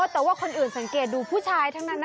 แต่ว่าคนอื่นสังเกตดูผู้ชายทั้งนั้นนะ